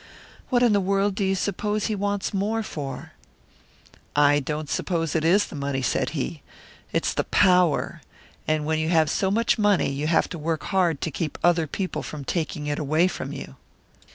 What in the world do you suppose he wants more for?" "I don't suppose it is the money," said he. "It's the power. And when you have so much money, you have to work hard to keep other people from taking it away from you."